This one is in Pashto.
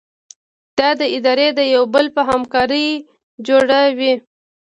دا اداره د یو بل په همکارۍ جوړه وي.